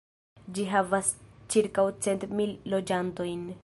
Ĝi havas ĉirkaŭ cent mil loĝantojn.